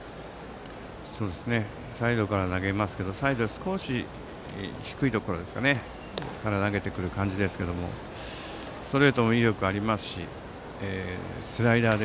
サイドから投げますけどサイドの少し低いところから投げてくる感じですがストレートも威力があるしそしてスライダー。